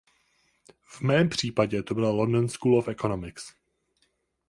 V mém případě to byla London School of Economics.